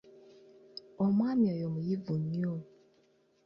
Omwani oyo muyivu nnyo.